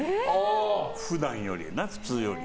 普段より、普通より。